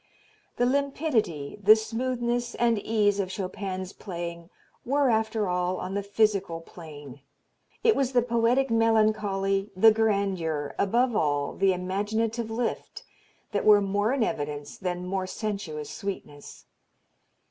The limpidity, the smoothness and ease of Chopin's playing were, after all, on the physical plane. It was the poetic melancholy, the grandeur, above all the imaginative lift, that were more in evidence than mere sensuous sweetness.